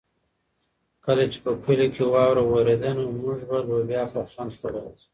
کله چې په کلي کې واوره ورېده نو موږ به لوبیا په خوند خوړله.